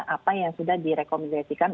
apa yang sudah direkomendasikan